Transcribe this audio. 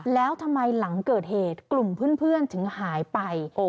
แล้วทำไมหลังเกิดเหตุกลุ่มเพื่อนถึงหายไป